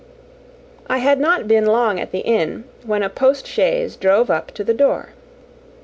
I had not been long at the inn when a postchaise drove up to the door.